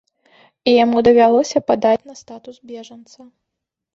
І яму давялося падаць на статус бежанца.